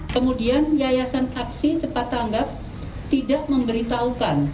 kemudian yayasan aksi cepat tanggap tidak memberitahukan